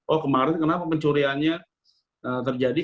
oh kemarin kenapa pencuriannya terjadi